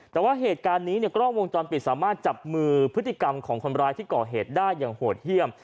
แต่ว่าเหตุการณ์นี้เนี่ยกล้องวงจรปิดสามารถจับมือพฤติกรรมของคนร้ายที่ก่อเหตุได้อย่างโหดเยี่ยม